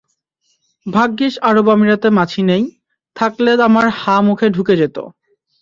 ভাগ্যিস আরব আমিরাতে মাছি নেই, থাকলে আমার হাঁ মুখে যেত ঢুকে।